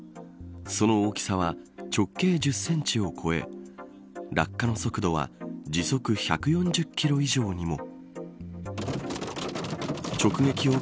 その大きさは直径１０センチを超え落下の速度は時速１４０キロ以上にも。